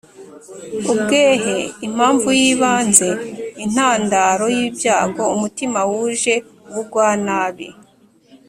ubwehe: impamvu y’ibanze, intandaro y’ibyago; umutima wuje ubugwanabi;